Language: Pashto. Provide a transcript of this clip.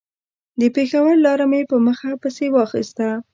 د پېښور لاره مې په مخه پسې واخيسته.